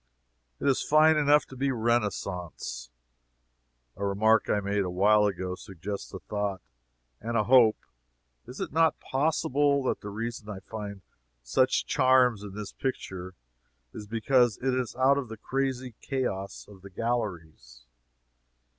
It is fine enough to be a Renaissance. A remark I made a while ago suggests a thought and a hope. Is it not possible that the reason I find such charms in this picture is because it is out of the crazy chaos of the galleries?